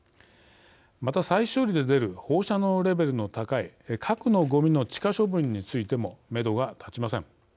また、再処理で出る放射能レベルの高いいわゆる核のごみの地下処分についてもめどが立ちません。